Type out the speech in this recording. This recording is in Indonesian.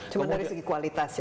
cuma dari segi kualitas ya